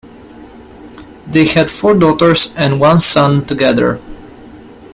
They had four daughters and one son together.